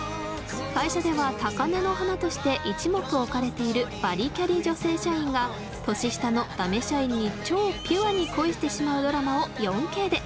会社では高嶺のハナとして一目置かれているバリキャリ女性社員が年下のダメ社員に超ピュアに恋してしまうドラマを４Ｋで！